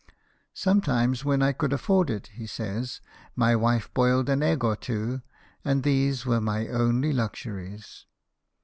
" Seme times, when I could afford it," he says, " my wife boiled an egg or two, and these were my only luxuries."